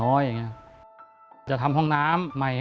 สวัสดีครับน้องเล่จากจังหวัดพิจิตรครับ